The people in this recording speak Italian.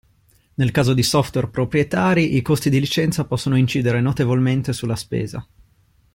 Nel caso di software proprietari i costi di licenza possono incidere notevolmente sulla spesa.